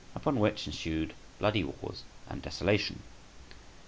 upon which ensued bloody wars and desolation.